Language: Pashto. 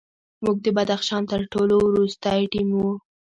موږ د بدخشان تر ټولو وروستی ټیم وو.